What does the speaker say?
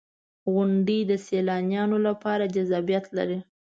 • غونډۍ د سیلانیانو لپاره جذابیت لري.